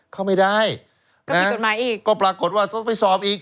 เขาไม่ได้ก็ปรากฏว่าต้องไปสอบอีก